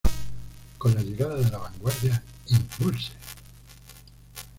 Con la llegada de la vanguardia, Impulse!